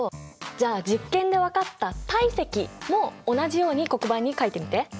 じゃあ実験で分かった体積も同じように黒板に書いてみて。